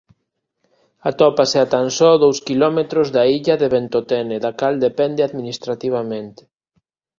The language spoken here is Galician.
Atópase a tan só dous quilómetros da illa de Ventotene da cal depende administrativamente.